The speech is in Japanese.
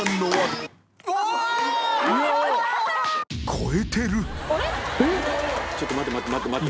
┐叩ちょっと待って待って。